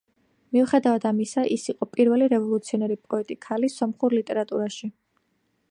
მიუხედავად ამისა, ის იყო პირველი რევოლუციონერი პოეტი ქალი სომხურ ლიტერატურაში.